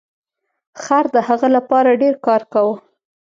خر د هغه لپاره ډیر کار کاوه.